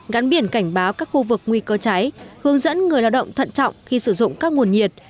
gắn biển cảnh báo các khu vực nguy cơ cháy hướng dẫn người lao động thận trọng khi sử dụng các nguồn nhiệt